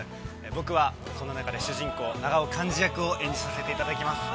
僕はこの中で主人公永尾完治役を演じさせていただきます。